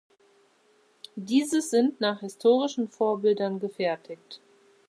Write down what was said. Diese sind nach historischen Vorbildern gefertigt.